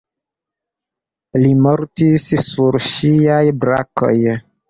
Li mortis sur ŝiaj brakoj.